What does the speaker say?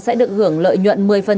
sẽ được hưởng lợi nhuận một mươi